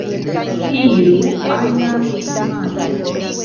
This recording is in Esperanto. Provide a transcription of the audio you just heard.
Iru al la hetmano!